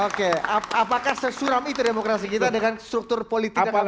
oke apakah sesuram itu demokrasi kita dengan struktur politik kabinet sekarang